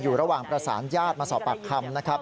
ระหว่างประสานญาติมาสอบปากคำนะครับ